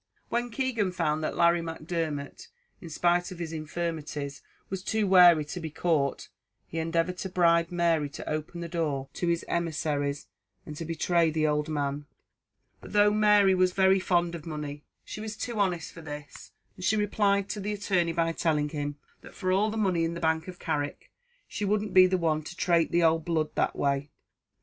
When Keegan found that Larry Macdermot, in spite of his infirmities, was too wary to be caught, he endeavoured to bribe Mary to open the door to his emissaries, and to betray the old man; but though Mary was very fond of money, she was too honest for this, and she replied to the attorney by telling him, "that for all the money in the bank of Carrick, she wouldn't be the one to trate the ould blood that way."